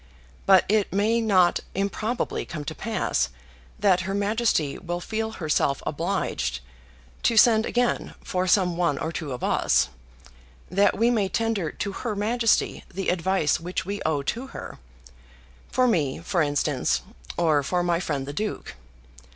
"But it may not improbably come to pass that her Majesty will feel herself obliged to send again for some one or two of us, that we may tender to her Majesty the advice which we owe to her; for me, for instance, or for my friend the Duke.